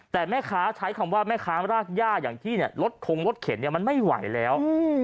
แต่แม่ค้าใช้คำว่าแม่ค้ารากย่าอย่างที่เนี่ยรถคงรถเข็นมันไม่ไหวแล้ว